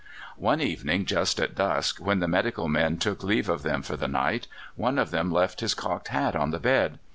One evening just at dusk, when the medical men took leave of them for the night, one of them left his cocked hat on the bed.